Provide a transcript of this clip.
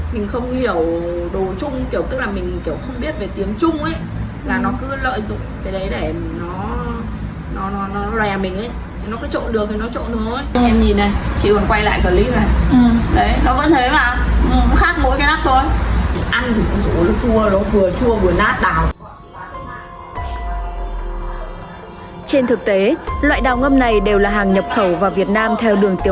mình không hiểu đồ chung kiểu tức là mình kiểu không biết về tiếng chung ý